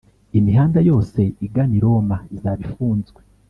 imihanda yose igana i roma izaba ifunzwe